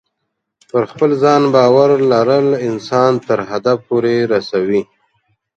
پر خپل ځان باور لرل انسان تر هدف پورې رسوي.